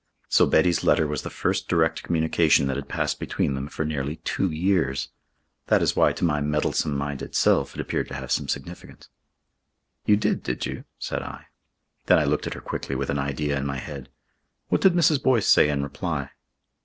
So Betty's letter was the first direct communication that had passed between them for nearly two years. That is why to my meddlesome minded self it appeared to have some significance. "You did, did you?" said I. Then I looked at her quickly, with an idea in my head. "What did Mrs. Boyce say in reply?"